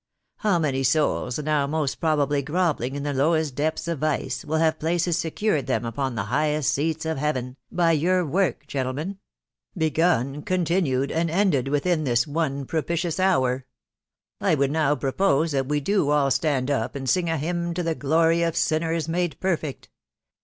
Haw many sons} now most probably grovelling in the lowest depths of vice> wflT have places secured them upon the highest seats of heaven* of your work, gentlemen ; begun, continued, and ended withm thss one propitious hour I .... I would now propose that w» do all stand up, and sing a hymn to the glory of sinners made perfect